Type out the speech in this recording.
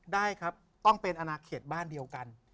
ได้ครับต้องเป็นอนาเขตบ้านเดียวกัน